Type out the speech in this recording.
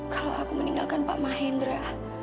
kalau aku meninggalkan pak mahendra